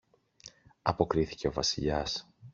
αποκρίθηκε ο Βασιλιάς.